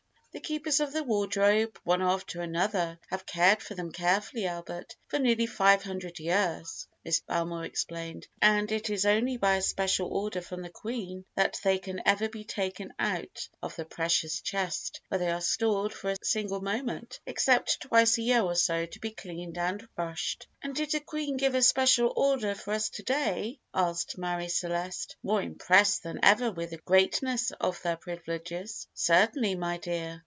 "The keepers of the wardrobe, one after another, have cared for them carefully, Albert, for nearly five hundred years," Miss Belmore explained; "and it is only by a special order from the Queen that they can ever be taken out of the precious chest where they are stored for a single moment, except twice a year or so, to be cleaned and brushed." "And did the Oueen give a special order for us to day?" asked Marie Celeste, more impressed than ever with the greatness of their privileges. "Certainly, my dear."